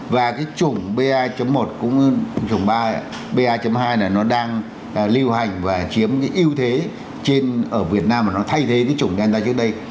và cái chủng ba một cũng như là biến chủng ba hai này nó đang lưu hành và chiếm những ưu thế ở việt nam mà nó thay thế cái chủng delta trước đây